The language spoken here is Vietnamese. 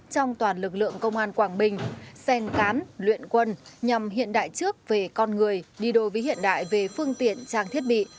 trong toàn lực lượng công an quảng bình sen cán luyện quân nhằm hiện đại trước về con người đi đôi với hiện đại về phương tiện trang thiết bị